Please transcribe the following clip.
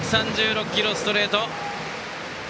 １３６キロのストレート。